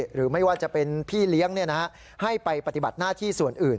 หรือไม่ว่าจะเป็นพี่เลี้ยงให้ไปปฏิบัติหน้าที่ส่วนอื่น